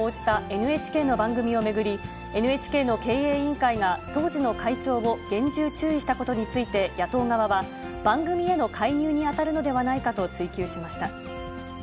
ＮＨＫの番組を巡り、ＮＨＫの経営委員会が、当時の会長を厳重注意したことについて、野党側は、番組への介入に当たるのではないかと追及しました。